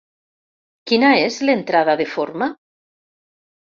Quina és l'entrada de forma?